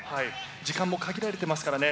時間も限られてますからね。